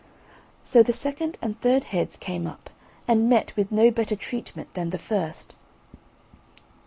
So the second and third heads came up, and met with no better treatment than the first.